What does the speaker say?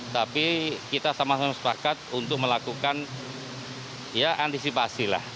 tapi kita sama sama sepakat untuk melakukan ya antisipasi lah